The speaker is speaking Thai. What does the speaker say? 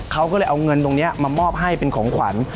เขาก็เลยเอาเงินตรงนี้มามอบให้เป็นของขวัญ